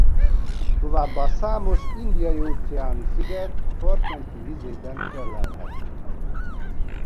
Továbbá számos indiai-óceáni sziget part menti vízében fellelhető.